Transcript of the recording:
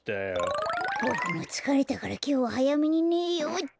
ボクもつかれたからきょうははやめにねようっと。